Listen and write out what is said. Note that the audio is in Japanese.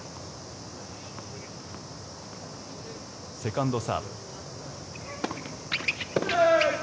セカンドサーブ。